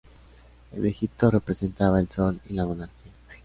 En Egipto, representaba el Sol y la Monarquía.